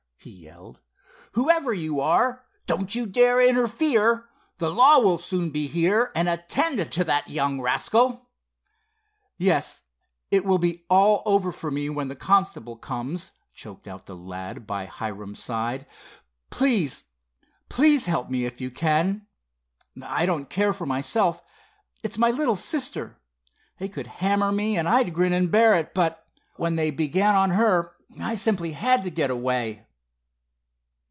he yelled. "Whoever you are, don't you dare to interfere. The law will soon be here, and attend to that young rascal." "Yes, it will be all over for me when the constable comes," choked out the lad by Hiram's side. "Please, please help me, if you can! I don't care for myself. It's my little sister. They could hammer me, and I'd grin and bear it, but when they began on her I simply had to get away."